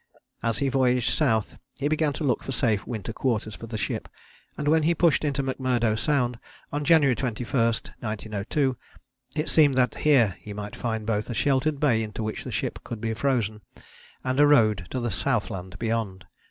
As he voyaged south he began to look for safe winter quarters for the ship, and when he pushed into McMurdo Sound on January 21, 1902, it seemed that here he might find both a sheltered bay into which the ship could be frozen, and a road to the southland beyond.